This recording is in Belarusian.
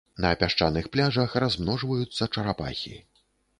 На пясчаных пляжах размножваюцца чарапахі.